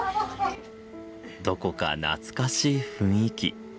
どこか懐かしい雰囲気。